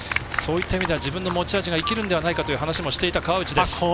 そういった意味では自分の持ち味が生きるんではないかという話もしていた、川内です。